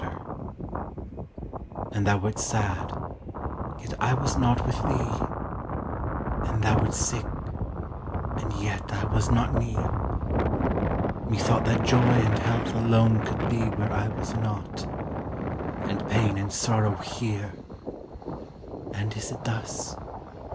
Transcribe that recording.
And thou wert sad yet I was not with thee; And thou wert sick, and yet I was not near; Methought that Joy and Health alone could be Where I was not and pain and sorrow here! And is it thus?